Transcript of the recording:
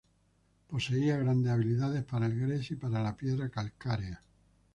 Poseía grandes habilidades para el gres y para la piedra calcárea.